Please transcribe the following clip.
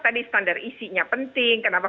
tadi standar isinya penting kenapa